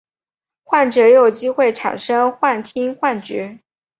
患者也有机会产生幻听幻觉。